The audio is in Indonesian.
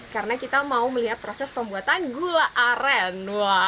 karena kita mau melihat proses pembuatan gula aren